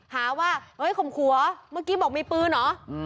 หาว่าเฮ้ยข่มขัวเมื่อกี้บอกมีปืนเหรอ